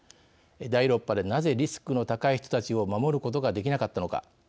第６波でなぜリスクの高い人たちを守ることができなったのか